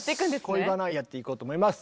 「恋バナ」やっていこうと思います。